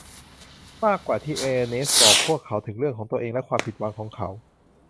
มากกว่าที่เออร์เนสต์บอกพวกเขาถึงเรื่องของตัวเองและความผิดหวังของเขา